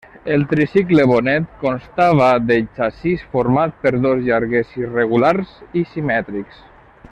El tricicle Bonet constava de xassís format per dos llarguers irregulars i simètrics.